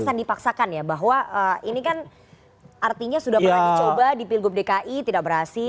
akan dipaksakan ya bahwa ini kan artinya sudah pernah dicoba di pilgub dki tidak berhasil